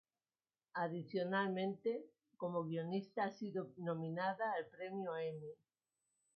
Adicionalmente, como guionista ha sido nominada al premio Emmy.